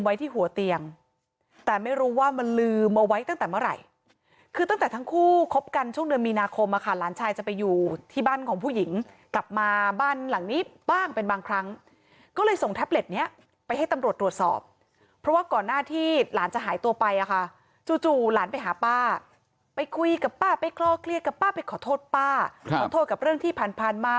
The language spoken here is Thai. ที่หัวเตียงแต่ไม่รู้ว่ามันลืมเอาไว้ตั้งแต่เมื่อไหร่คือตั้งแต่ทั้งคู่คบกันช่วงเดือนมีนาคมอะค่ะหลานชายจะไปอยู่ที่บ้านของผู้หญิงกลับมาบ้านหลังนี้บ้างเป็นบางครั้งก็เลยส่งแท็บเล็ตเนี้ยไปให้ตำรวจตรวจสอบเพราะว่าก่อนหน้าที่หลานจะหายตัวไปอ่ะค่ะจู่จู่หลานไปหาป้าไปคุยกับป้าไปคล่อเคลียร์กับป้าไปขอโทษป้าขอโทษกับเรื่องที่ผ่านมา